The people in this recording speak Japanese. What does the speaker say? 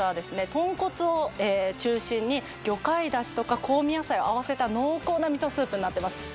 豚骨を中心に魚介出汁とか香味野菜を合わせた濃厚な味噌スープになってます